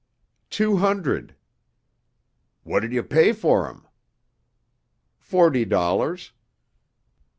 "Two hundred." "What'd you pay for 'em?" "Forty dollars."